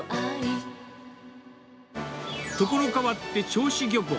所変わって、銚子漁港。